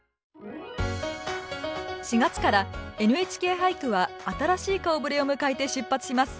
４月から「ＮＨＫ俳句」は新しい顔ぶれを迎えて出発します。